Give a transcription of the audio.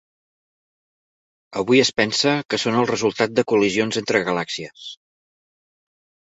Avui es pensa que són el resultat de col·lisions entre galàxies.